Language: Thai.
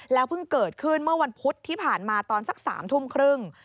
เพิ่งเกิดขึ้นเมื่อวันพุธที่ผ่านมาตอนสัก๓ทุ่มครึ่ง